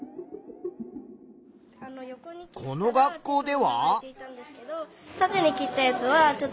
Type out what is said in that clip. この学校では。